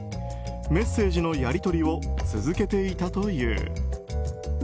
メッセージのやり取りを続けていたという。